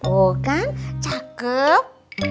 oh kan cakep